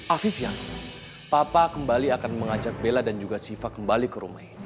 afif ya papa kembali akan mengajak bella dan juga siva kembali ke rumah ini